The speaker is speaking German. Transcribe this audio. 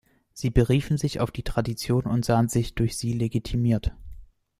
Sie beriefen sich auf die Tradition und sahen sich durch sie legitimiert.